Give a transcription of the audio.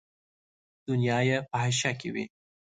دنیا یې په حاشیه کې وي.